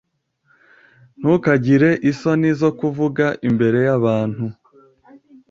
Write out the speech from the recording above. Ntukagire isoni zo kuvuga imbere yabantu.